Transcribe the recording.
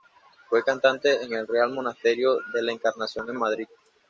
Fue cantante en el Real Monasterio de la Encarnación en Madrid.